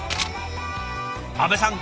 阿部さん